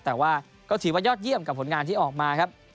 แต่ว่าก็ถือว่ายอดเยี่ยมกับผลงานที่ออกมาครับ